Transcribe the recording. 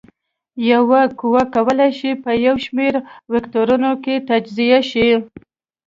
یوه قوه کولی شي په یو شمېر وکتورونو تجزیه شي.